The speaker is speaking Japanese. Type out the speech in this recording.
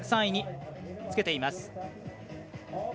３位につけています。